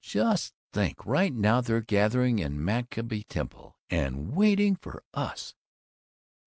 Just think! Right now they're gathering in Maccabee Temple, and waiting for us!"